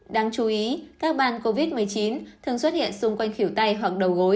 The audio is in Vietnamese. đáng chú ý các ban covid một mươi chín thường xuất hiện xung quanh khỉu tay hoặc đầu gối